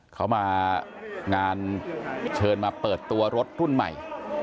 เขามางานเชิญมาเปิดตัวรถรุ่นใหม่